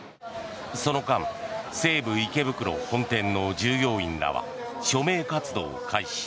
その間、西武池袋本店の従業員らは署名活動を開始。